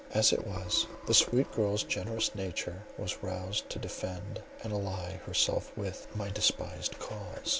As it was, the sweet girl's generous nature was roused to defend, and ally herself with, my despised cause.